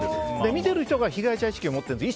見ている人が被害者意識を持ってるんです。